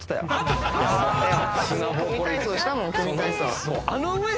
組み体操したもん組み体操。